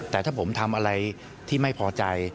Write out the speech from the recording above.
แต่ถ้าผมทำอะไรที่ไม่พอใจ